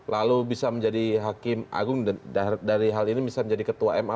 lalu bisa menjadi hakim agung dari hal ini bisa menjadi ketua ma